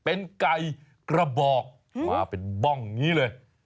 เป็นไก่กระบอกเป็นบ่องแบบนี้เลย